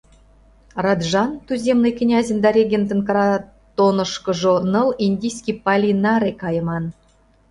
Раджан, туземный князьын да регентын кратонышкыжо ныл индийский пали наре кайыман.